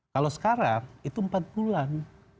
kalau sekarang itu empat bulan